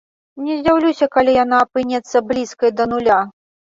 Не здзіўлюся, калі яна апынецца блізкай да нуля.